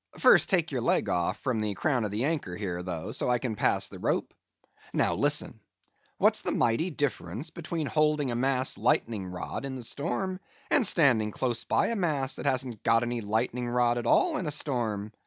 First take your leg off from the crown of the anchor here, though, so I can pass the rope; now listen. What's the mighty difference between holding a mast's lightning rod in the storm, and standing close by a mast that hasn't got any lightning rod at all in a storm?